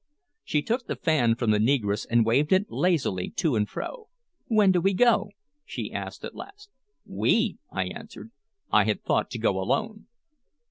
She took the fan from the negress, and waved it lazily to and fro. "When do we go?" she asked at last. "We!" I answered. "I had thought to go alone."